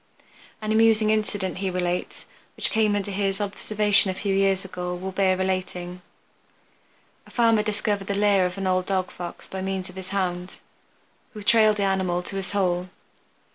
An amusing incident, he relates, which came under his observation a few years ago will bear relating. A farmer discovered the lair of an old dog Fox by means of his hound, who trailed the animal to his hole.